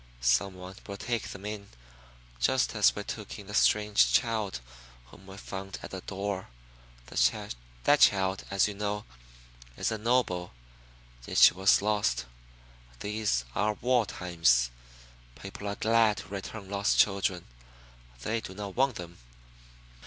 Someone will take them in just as we took in the strange child whom we found at the door. That child, as you know, is a noble, yet she was lost. These are war times. People are glad to return lost children. They do not want them.